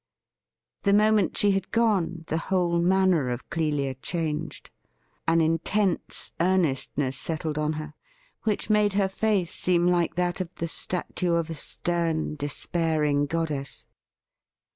The moment she had gone the whole manner of Clelia changed. An intense earnestness settled on her which made her face seem like that of the statue of a stem, despairing goddess.